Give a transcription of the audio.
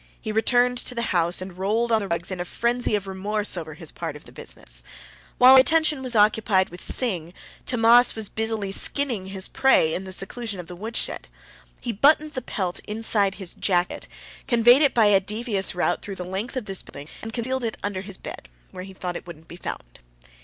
He returned to the house and rolled on the rugs in a frenzy of remorse over his part of the business. While our attention was occupied with Sing, Tammas was busily skinning his prey in the seclusion of the woodshed. He buttoned the pelt inside his jacket, conveyed it by a devious route through the length of this building, and concealed it under his bed where he thought it wouldn't be found.